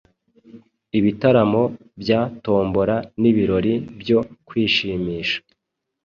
ibitaramo bya tombora n’ibirori byo kwishimisha